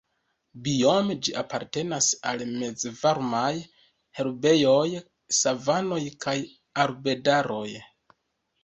Biome ĝi apartenas al Mezvarmaj herbejoj, savanoj kaj arbedaroj.